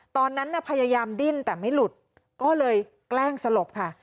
ตอนนั้นน่ะพยายามดิ้นแต่ไม่หลุดก็เลยแกล้งสลบค่ะ